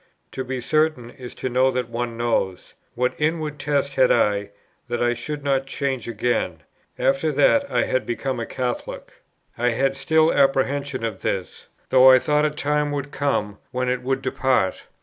To be certain is to know that one knows; what inward test had I, that I should not change again, after that I had become a Catholic? I had still apprehension of this, though I thought a time would come, when it would depart.